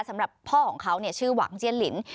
สำหรับพ่อของเขาชื่อหวังเจี้ยลิน